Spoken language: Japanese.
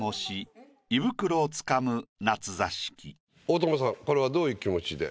大友さんこれはどういう気持ちで？